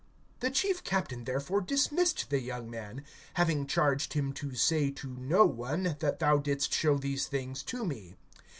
(22)The chief captain therefore dismissed the young man, having charged him to say to no one, that thou didst show these things to me.